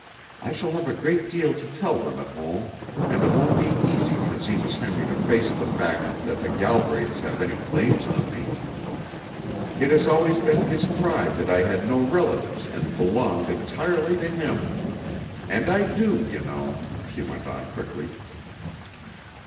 I shall have a great deal to tell them at home, and it won't be easy for Zenas Henry to face the fact that the Galbraiths have any claims on me. It has always been his pride that I had no relatives and belonged entirely to him. And I do, you know," she went on quickly.